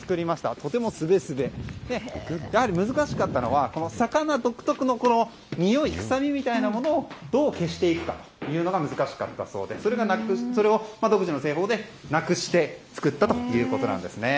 とてもスベスベ。やはり難しかったのは魚独特のにおい臭みみたいなものをどう消していくかが難しかったそうでそれを独自の製法でなくして作ったということですね。